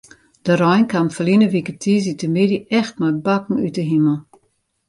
De rein kaam ferline wike tiisdeitemiddei echt mei bakken út de himel.